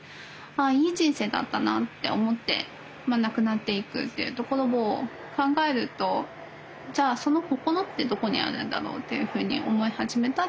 あいい人生だったなって思って亡くなっていくっていうところを考えるとじゃあその心ってどこにあるんだろうっていうふうに思い始めた。